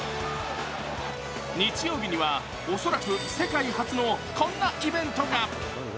日曜日には恐らく世界初のこんなイベントが。